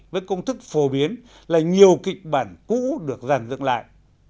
với công thức phổ biến là nhiều kịch bản cũ được dàn dựng lại